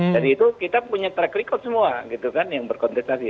jadi itu kita punya track record semua gitu kan yang berkonteksasi